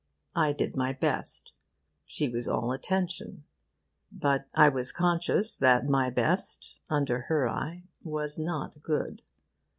I did my best. She was all attention. But I was conscious that my best, under her eye, was not good.